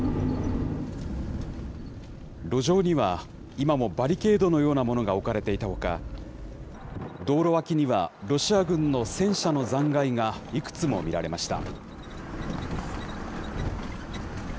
路上には、今もバリケードのようなものが置かれていたほか、道路脇にはロシア軍の戦車の残骸がいくつも見られました。